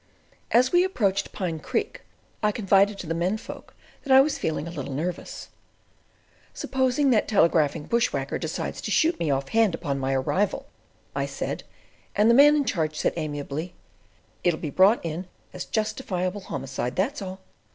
As we approached Pine Creek I confided to the men folk that I was feeling a little nervous. "Supposing that telegraphing bush whacker decides to shoot me off hand on my arrival," I said; and the Man in Charge said amiably: "It'll be brought in as justifiable homicide; that's all."